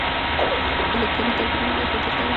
د ليکنيو توپيرونو لوی ښودل تاوان لري.